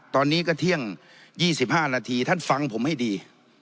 ตอนนี้ก็เที่ยงยี่สิบห้านาทีท่านฟังผมให้ดี